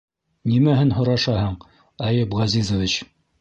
Нимәһен һорашаһың, Әйүп Ғәзизович?